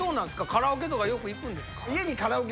カラオケとかよく行くんですか？